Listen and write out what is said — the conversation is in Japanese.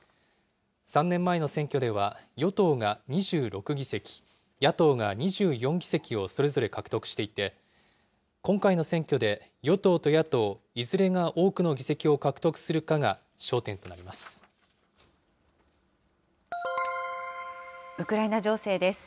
３年前の選挙では与党が２６議席、野党が２４議席をそれぞれ獲得していて、今回の選挙で与党と野党いずれが多くの議席を獲得するかが焦点とウクライナ情勢です。